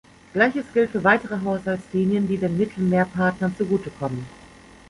Gleiches gilt für weitere Haushaltslinien, die den Mittelmeerpartnern zugute kommen.